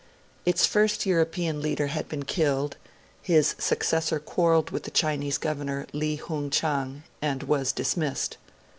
Its first European leader had been killed; his successor quarrelled with the Chinese Governor, Li Hung Chang, and was dismissed.